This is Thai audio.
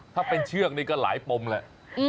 ถ้าเป็นเชือกนี่ก็หลายปมแหละ